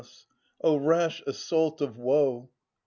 O rash assault of woe